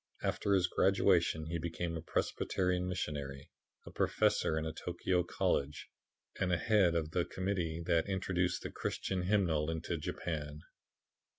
After his graduation he became a Presbyterian missionary, a professor in a Tokio college and the head of the Committee that introduced the Christian hymnal into Japan.